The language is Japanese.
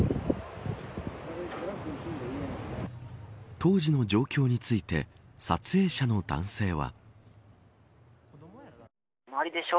当時の状況について撮影者の男性は。